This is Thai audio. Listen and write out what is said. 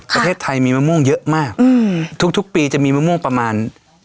ประเทศไทยมีมะม่วงเยอะมากอืมทุกทุกปีจะมีมะม่วงประมาณ